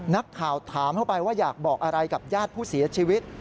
นักข่าวถามเข้าไปว่าอยากบอกอะไรกับญาติผู้เสียชีวิต